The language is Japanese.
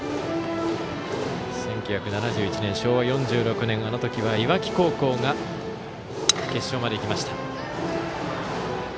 １９７１年、昭和４６年あの時は磐城高校が決勝まで行きました。